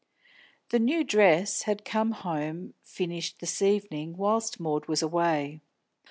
The new dress had come home finished this evening whilst Maud was away.